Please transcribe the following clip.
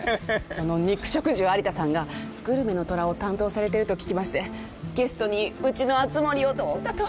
その肉食獣有田さんが『グルメの虎』を担当されてると聞きましてゲストにうちの熱護をどうかと。